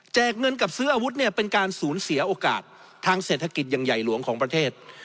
เงินกับซื้ออาวุธเนี่ยเป็นการสูญเสียโอกาสทางเศรษฐกิจอย่างใหญ่หลวงของประเทศ